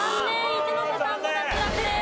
一ノ瀬さんも脱落です。